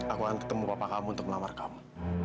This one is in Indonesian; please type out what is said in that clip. aku akan ketemu bapak kamu untuk melamar kamu